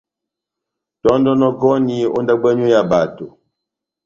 Tɔ́ndɔnɔkɔni ó ndábo yanywu ya bato.